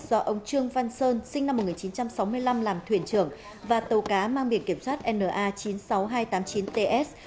do ông trương văn sơn sinh năm một nghìn chín trăm sáu mươi năm làm thuyền trưởng và tàu cá mang biển kiểm soát na chín mươi sáu nghìn hai trăm tám mươi chín ts